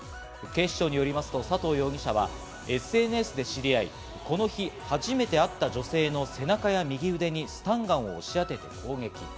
警視庁によりますと佐藤容疑者は、ＳＮＳで知り合い、この日、初めて会った女性の背中や右腕にスタンガンを押し当てて攻撃。